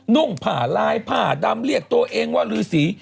่งผ่าลายผ้าดำเรียกตัวเองว่ารือสี